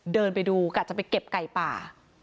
เดินไปดูกะจะไปเก็บไก่ป่า